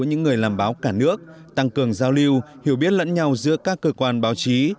những người làm báo cả nước tăng cường giao lưu hiểu biết lẫn nhau giữa các cơ quan báo chí